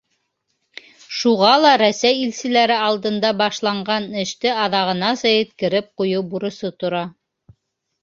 Шуға ла Рәсәй илселәре алдында башланған эште аҙағынаса еткереп ҡуйыу бурысы тора.